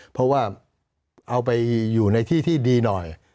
เพราะว่าเอาไปอยู่ในที่ที่ดีหน่อย